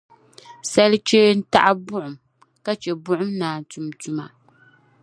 Salichee n-taɣi buɣim ka chɛ buɣim naan tum tuma.